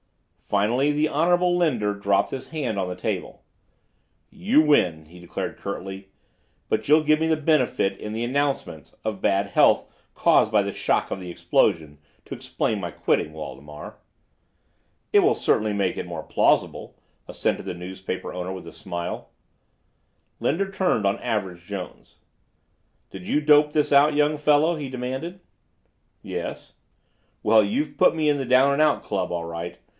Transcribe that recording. Finally the Honorable Linder dropped his hand on the table. "You win," he declared curtly. "But you'll give me the benefit, in the announcement, of bad health caused by the shock of the explosion, to explain my quitting, Waldemar?" "It will certainly make it more plausible," assented the newspaper owner with a smile. Linder turned on Average Jones. "Did you dope this out, young fellow?" he demanded. "Yes." "Well, you've put me in the Down and Out Club, all right.